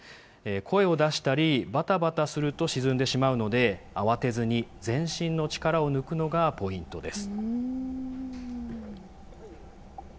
声を出したり、ばたばたすると沈んでしまうので、慌てずに全身の力を抜くのがポイントです。